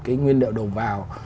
cái nguyên liệu đầu vào